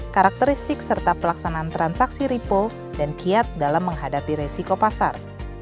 karakteristik serta pelaksanaan transaksi repo dan kiat dalam menghadapi resiko pasar